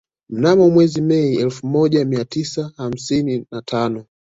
Mnamo mwezi Mei elfu moja mia tisa hamsini na tano